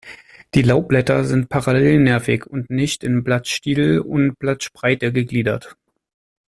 Die Laubblätter sind parallelnervig und nicht in Blattstiel und Blattspreite gegliedert.